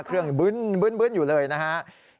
เครื่องบึ้นอยู่เลยนะครับ